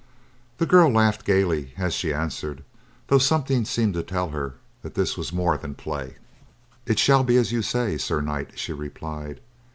The girl laughed gaily as she answered, though something seemed to tell her that this was more than play. "It shall be as you say, Sir Knight," she replied.